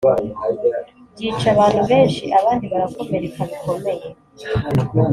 byica abantu benshi abandi barakomereka bikomeye